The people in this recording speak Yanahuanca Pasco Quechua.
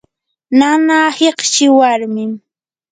nanaa hiqchi warmim.